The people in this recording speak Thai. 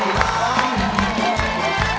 เพลงที่๒มูลค่า๑๐๐๐๐บาท